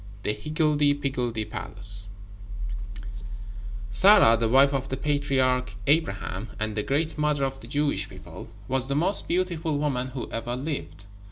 The Higgledy Piggledy Palace Sarah, the wife of the patriarch Abraham, and the great mother of the Jewish people, was the most beautiful woman who ever lived.